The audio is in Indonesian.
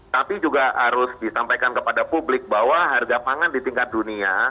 tapi juga harus disampaikan kepada publik bahwa harga pangan di tingkat dunia